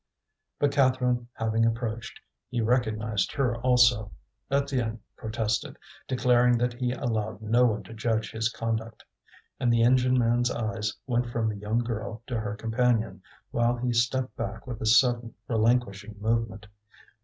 But Catherine having approached, he recognized her also. Étienne protested, declaring that he allowed no one to judge his conduct. And the engine man's eyes went from the young girl to her companion, while he stepped back with a sudden, relinquishing movement.